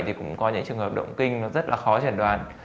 thì cũng có những trường hợp động kinh rất là khó tràn đoàn